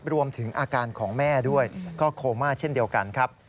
รวมถึงอาการของแม่ด้วยก็โคม่าเช่นเดียวกันครับ